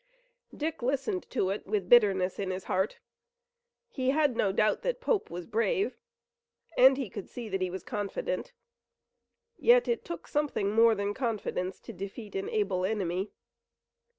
Dick listened to it all with bitterness in his heart. He had no doubt that Pope was brave, and he could see that he was confident. Yet it took something more than confidence to defeat an able enemy.